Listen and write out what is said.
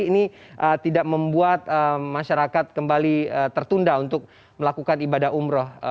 ini tidak membuat masyarakat kembali tertunda untuk melakukan ibadah umroh